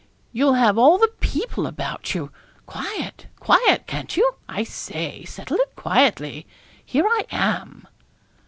you'll have all the people about you. Quiet quiet can't you, I say. Settle it quietly. Here I am.'